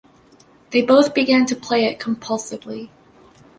They both began to play it compulsively.